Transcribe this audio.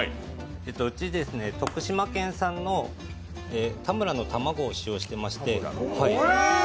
うちですね、徳島県産のたむらのタマゴを使用していまして。